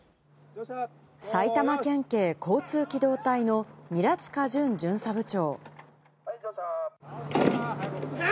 埼玉県警交通機動隊の韮塚隼巡査部長。